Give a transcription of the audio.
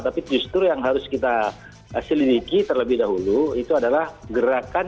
tapi justru yang harus kita selidiki terlebih dahulu itu adalah gerakan